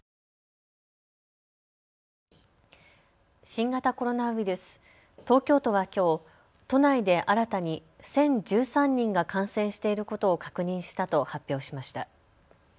新型コロナウイルス東京都はきょう、都内で新たに１０１３人が感染していることを確認したと発表しました。